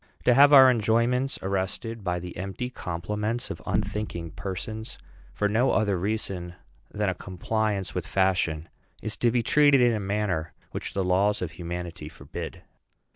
To have our enjoyments arrested by the empty compliments of unthinking persons for no other reason than a compliance with fashion, is to be treated in a manner which the laws of humanity forbid.